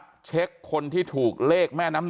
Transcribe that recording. ความปลอดภัยของนายอภิรักษ์และครอบครัวด้วยซ้ำ